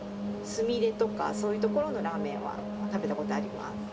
すみれとかそういうところのラーメンは食べた事あります。